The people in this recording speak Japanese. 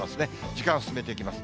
時間進めていきます。